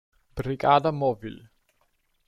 Brigada Móvil.